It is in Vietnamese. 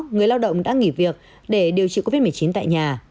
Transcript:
người lao động đã nghỉ việc để điều trị covid một mươi chín tại nhà